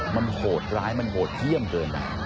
มันโหดร้ายมันโหดเยี่ยมเกินไป